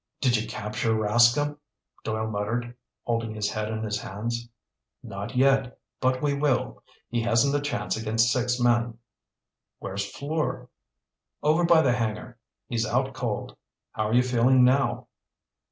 "Did you capture Rascomb?" Doyle muttered, holding his head in his hands. "Not yet. But we will. He hasn't a chance against six men." "Where's Fleur?" "Over by the hangar. He's out cold. How are you feeling now?"